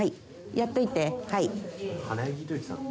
やっといて」